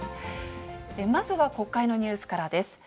まずは国会のニュースからです。